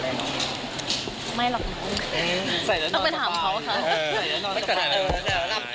ได้หวังสบายผ่อนคลาย